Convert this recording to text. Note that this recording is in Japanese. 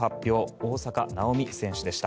大坂なおみ選手でした。